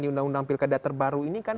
undang undang pilkada terbaru ini kan